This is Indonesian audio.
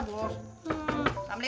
perut lo jadi gede